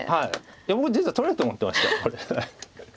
僕実は取れると思ってましたこれ。